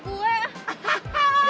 nggak cantik kak